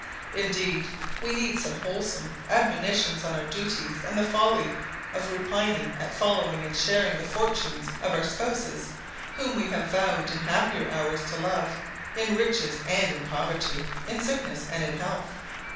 Indeed, we need some wholesome admonitions on our duties and the folly of repining at following and sharing the fortunes of our spouses, whom we have vowed in happier hours to love "in riches and in poverty, in sickness and in health."